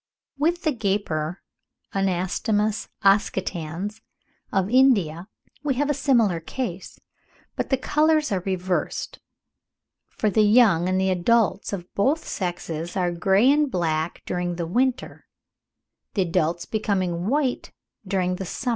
With the gaper (Anastomus oscitans) of India we have a similar case, but the colours are reversed: for the young and the adults of both sexes are grey and black during the winter, the adults becoming white during the summer.